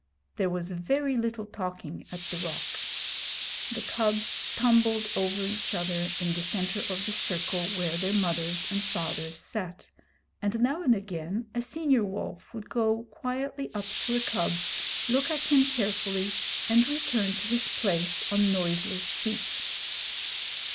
There was very little talking at the rock. The cubs tumbled over each other in the centre of the circle where their mothers and fathers sat, and now and again a senior wolf would go quietly up to a cub, look at him carefully, and return to his place on noiseless feet.